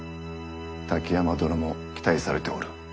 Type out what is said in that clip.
滝山殿も期待されておる。